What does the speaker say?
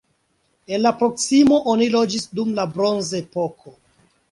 En la proksimo oni loĝis dum la bronzepoko.